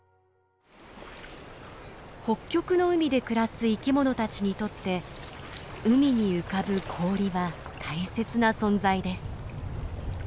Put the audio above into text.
北極の海で暮らす生きものたちにとって海に浮かぶ氷は大切な存在です。